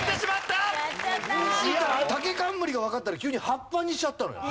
たけかんむりがわかったら急に葉っぱにしちゃったのよ。